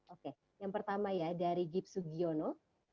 oke yang pertama ya dari gip sugiono